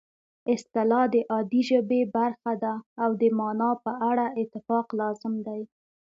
اصطلاح د عادي ژبې برخه ده او د مانا په اړه اتفاق لازم دی